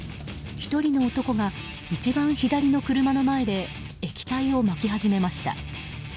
１人の男が、一番左の車の前で液体をまき始めました。